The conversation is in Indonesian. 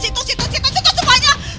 situ situ situ situ semuanya